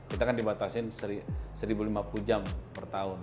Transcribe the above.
kita kan dibatasin satu lima puluh jam per tahun